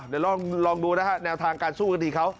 เดี๋ยวลองดูนะฮะแนวทางการสู้คดีเขา